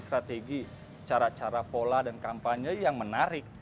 strategi cara cara pola dan kampanye yang menarik